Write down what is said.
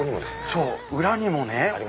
そう裏にもね。